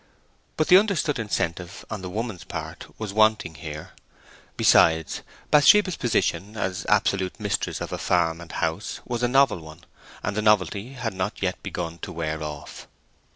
But the understood incentive on the woman's part was wanting here. Besides, Bathsheba's position as absolute mistress of a farm and house was a novel one, and the novelty had not yet begun to wear off.